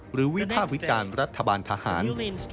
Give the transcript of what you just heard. วิภาควิจารณ์รัฐบาลทหาร